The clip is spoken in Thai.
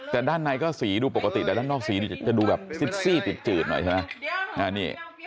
แต่ด้านในก็สีดูปกติแต่ด้านนอกสีนี่จะดูแบบซิดซี่จืดหน่อยใช่ไหม